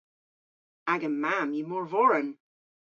Aga mamm yw morvoren.